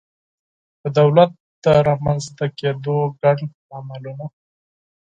د دولت د رامنځته کېدو ګڼ لاملونه